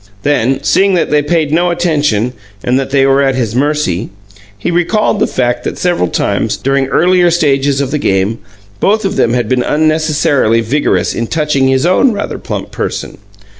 Then, seeing that they paid no attention and that they were at his mercy, he recalled the fact that several times, during earlier stages of the game, both of them had been unnecessarily vigorous in "touching" his own rather plump person.